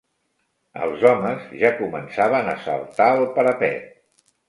Els homes ja començaven a saltar el parapet